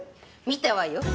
見たわよ。